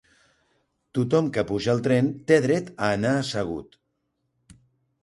Tothom que puja al tren té dret a anar assegut